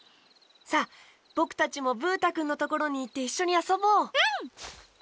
さあぼくたちもブー太くんのところにいっていっしょにあそぼう！